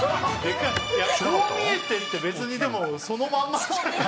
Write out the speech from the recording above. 「こう見えて」って別にでもそのまんまじゃない？